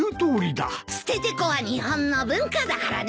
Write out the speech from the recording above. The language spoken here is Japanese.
ステテコは日本の文化だからね。